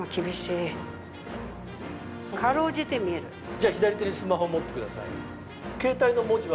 じゃあ左手にスマホ持ってください。